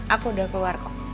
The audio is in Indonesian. aku udah keluar kok